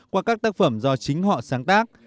qua các tác phẩm do chính họ sáng tác